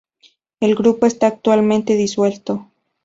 El grupo está actualmente disuelto.